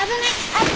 あっ。